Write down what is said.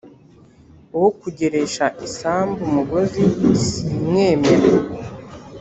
uwo kugeresha isambu umugozi simwemera